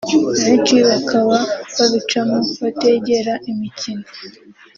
abenshi bakaba babicamo bategera imikino